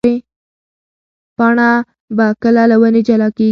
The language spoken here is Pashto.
پاڼه به کله له ونې جلا کېږي؟